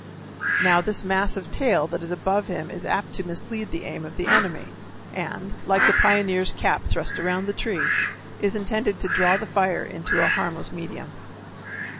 Now, this mass of tail that is above him is apt to mislead the aim of the enemy, and, like the pioneer's cap thrust around the tree, is intended to draw the fire into a harmless medium.